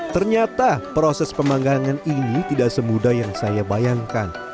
ternyata proses pemanggangan ini tidak semudah yang saya bayangkan